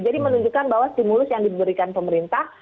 jadi menunjukkan bahwa stimulus yang diberikan pemerintah